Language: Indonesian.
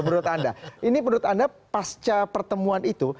menurut anda ini menurut anda pasca pertemuan itu